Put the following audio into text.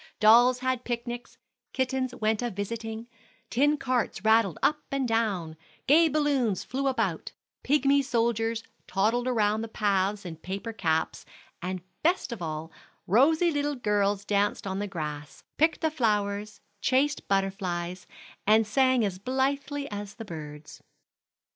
Dolls had picnics, kittens went a visiting, tin carts rattled up and down, gay balloons flew about, pigmy soldiers toddled round the paths in paper caps, and best of all, rosy little girls danced on the grass, picked the flowers, chased butterflies, and sang as blithely as the birds.